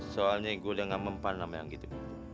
soalnya gue udah gak mempanah sama yang gitu